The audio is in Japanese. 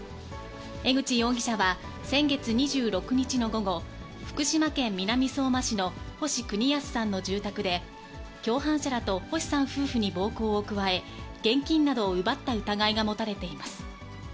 江口容疑者は先月２６日の午後、福島県南相馬市の星邦康さんの住宅で、共犯者らと星さん夫婦に暴行を加え、現金などを奪った疑いが持たれています。